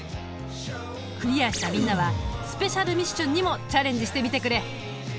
クリアしたみんなはスペシャルミッションにもチャレンジしてみてくれ。